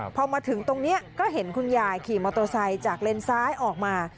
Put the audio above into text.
พอมาถึงตรงนี้ก็เห็นคุณยายขี่มอเตอร์ไซค์จากเลนซ้ายออกมา